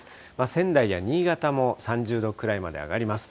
仙台や新潟も３０度くらいまで上がります。